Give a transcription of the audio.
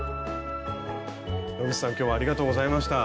野口さん今日はありがとうございました。